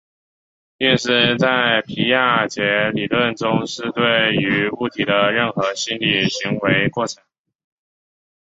运思在皮亚杰理论中是对于物体的任何心理行为过程。